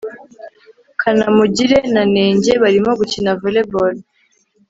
kanamugire na nenge barimo gukina volley ball